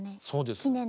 そうです。